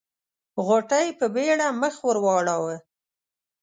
غوټۍ په بيړه مخ ور واړاوه.